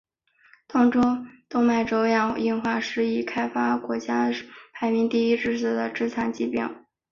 动脉粥样硬化是已开发国家排名第一的致死与致残疾病。